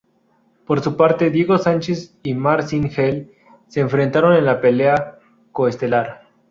Por su parte, Diego Sánchez y Marcin Held se enfrentaron en la pelea coestelar.